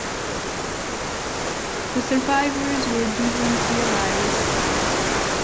The survivors were given to the Allies.